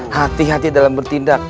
hati hati dalam bertindak